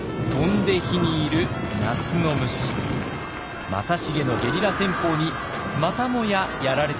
正成のゲリラ戦法にまたもややられてしまいます。